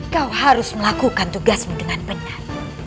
kau harus melakukan tugasmu dengan benar